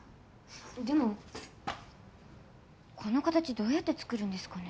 でもこの形どうやって作るんですかね。